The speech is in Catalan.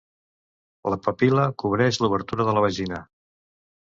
La papil·la cobreix l'obertura de la vagina.